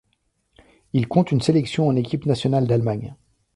Il compte une sélection en équipe nationale d'Allemagne.